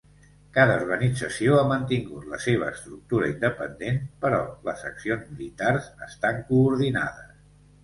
Cada organització ha mantingut la seva estructura independent, però les accions militars estan coordinades.